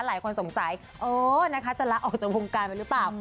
หลายคนสงสัยเออนะคะจะลาออกจากวงการไปหรือเปล่า